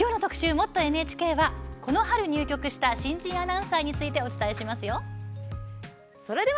「もっとＮＨＫ」はこの春入局した新人アナウンサーについてお伝えします。